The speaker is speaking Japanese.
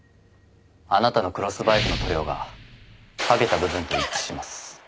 あなたのクロスバイクの塗料が剥げた部分と一致します。